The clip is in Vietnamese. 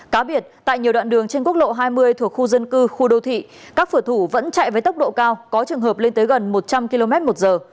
cá biệt tại nhiều đoạn đường trên quốc lộ hai mươi thuộc khu dân cư khu đô thị các phở thủ vẫn chạy với tốc độ cao có trường hợp lên tới gần một trăm linh km một giờ